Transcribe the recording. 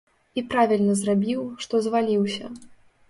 І правільна зрабіў, што зваліўся.